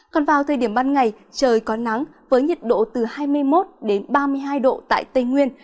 còn vào thời điểm ban ngày trời có nắng với nhiệt độ từ hai mươi một đến ba mươi hai độ tại tây nguyên